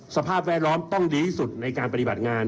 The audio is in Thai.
สภาพแวดล้อมต้องดีที่สุดในการปฏิบัติงาน